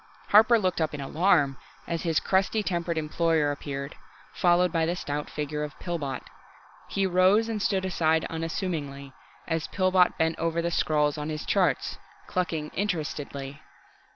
Harper looked up in alarm as his crusty tempered employer appeared, followed by the stout figure of Pillbot. He rose and stood aside unassumingly, as Pillbot bent over the scrawls on his charts, clucking interestedly.